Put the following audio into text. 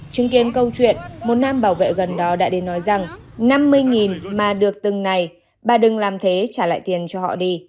chứng kiến câu chuyện một nam bảo vệ gần đó đã đến nói rằng năm mươi mà được từng ngày bà đừng làm thế trả lại tiền cho họ đi